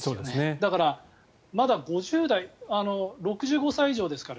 だから、まだ５０代６５歳以上ですから。